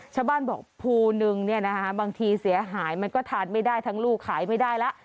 ชาวบ้านบอกภูนึงบางทีเสียหายมันก็ทานไม่ได้ทั้งลูกขายไม่ได้แล้ว